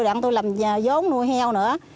để tôi làm giống nuôi heo nữa